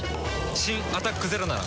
新「アタックＺＥＲＯ」なら。